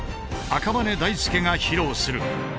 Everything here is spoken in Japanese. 赤羽根大介が披露する。